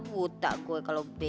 buta gue kalau be